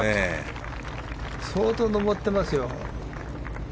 相当、上ってますよ。